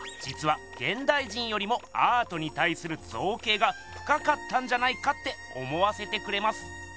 じつはげんだい人よりもアートにたいするぞうけいがふかかったんじゃないかって思わせてくれます。